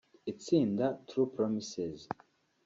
itsinda True Promises